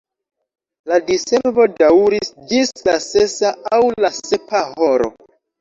La diservo daŭris ĝis la sesa aŭ la sepa horo.